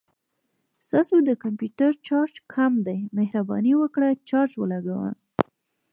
ستاسو د کمپوټر چارج کم دی، مهرباني وکړه چارج ولګوه